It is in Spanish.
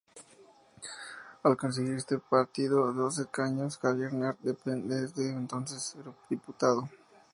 Al conseguir este partido dos escaños, Javier Nart es desde entonces eurodiputado.